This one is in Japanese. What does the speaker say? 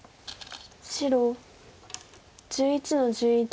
白１１の十一。